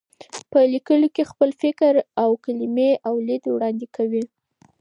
په لیکلو کې خپل فکر، کلمې او لید وړاندې کوي.